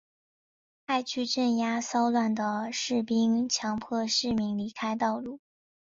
派去镇压骚乱的士兵强迫市民离开道路。